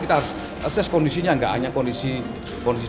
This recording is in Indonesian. kita harus ases kondisinya gak hanya kondisi